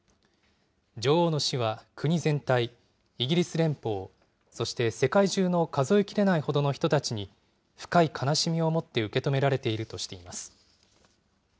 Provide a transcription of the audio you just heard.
女王の死は国全体、イギリス連邦、そして、世界中の数え切れない人たちに深い悲しみを持って受け止められているとしています。